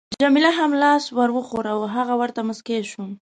جميله هم لاس ورته وښوراوه، هغه ورته مسکی شو.